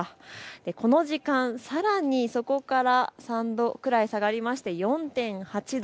この時間、さらにそこから３度くらい下がって４．８度。